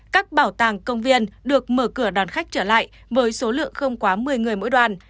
các bảo tàng công viên được mở cửa đón khách trở lại với số lượng không quá một mươi người mỗi đoàn